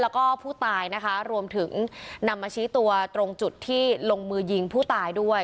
แล้วก็ผู้ตายนะคะรวมถึงนำมาชี้ตัวตรงจุดที่ลงมือยิงผู้ตายด้วย